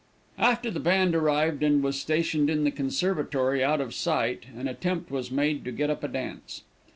After the band arrived and was stationed in the conservatory out of sight, an attempt was made to get up a dance.